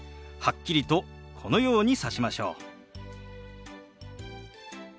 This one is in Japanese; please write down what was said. はっきりとこのようにさしましょう。